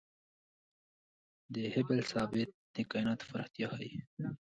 د هبل ثابت د کائناتو پراختیا ښيي.